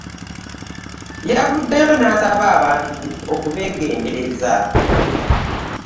Yavuddeyo n'asaba abantu okubeegendereza